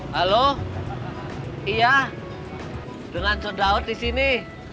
halo iya dengan codawet disini